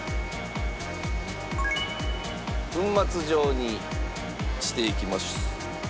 粉末状にしていきます。